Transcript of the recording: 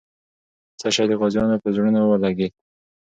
څه شی د غازیانو په زړونو ولګېد؟